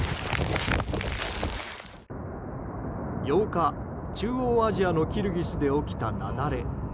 ８日、中央アジアのキルギスで起きた雪崩。